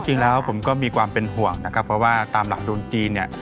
จริงแล้วผมก็มีความเป็นห่วงนะครับเพราะว่าตามหลักดุลจีนเนี่ย